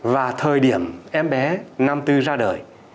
và thời điểm em bé năm tư ra đời